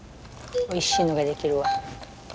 おいしいのが出来るわ。